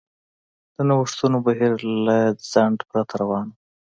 د نوښتونو بهیر له ځنډ پرته روان و.